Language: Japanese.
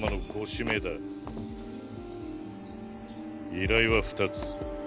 依頼は２つ。